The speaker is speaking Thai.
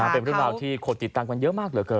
เป็นเรื่องราวที่คนติดตามกันเยอะมากเหลือเกิน